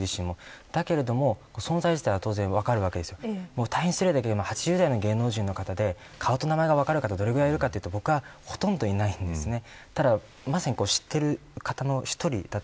だけれども存在自体は当然分かるわけですよ。大変失礼だけど８０代の芸能人の方で顔と名前が分かる方がどれぐらいいるかというとほとんどいないんですね。